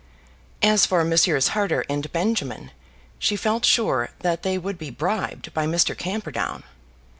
As for Messrs. Harter and Benjamin, she felt sure that they would be bribed by Mr. Camperdown.